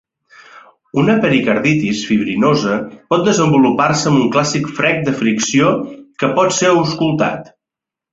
Una pericarditis fibrinosa pot desenvolupar-se amb un clàssic frec de fricció que pot ser auscultat.